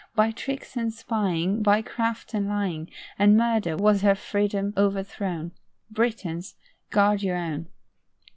By tricks and spying, By craft and lying, And murder was her freedom overthrown. Britons, guard your own.